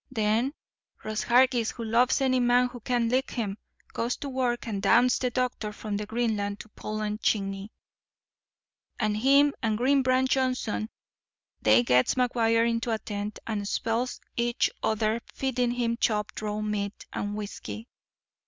Then Ross Hargis, who loves any man who can lick him, goes to work and damns the doctors from Greenland to Poland Chiny; and him and Green Branch Johnson they gets McGuire into a tent, and spells each other feedin' him chopped raw meat and whisky.